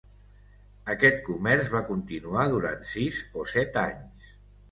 Aquest comerç va continuar durant sis o set anys.